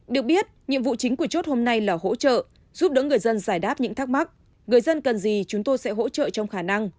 dân giải đáp những thắc mắc người dân cần gì chúng tôi sẽ hỗ trợ trong khả năng